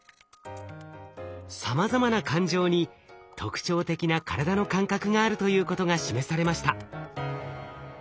さまざまな感情に特徴的な体の感覚があるということが示されました。